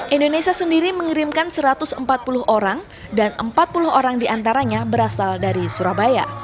indonesia sendiri mengirimkan satu ratus empat puluh orang dan empat puluh orang diantaranya berasal dari surabaya